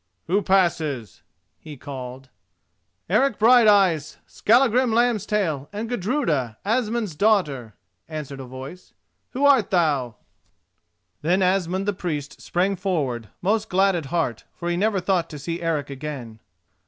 "Who passes?" he called. "Eric Brighteyes, Skallagrim Lambstail, and Gudruda, Asmund's daughter," answered a voice; "who art thou?" Then Asmund the Priest sprang forward, most glad at heart, for he never thought to see Eric again.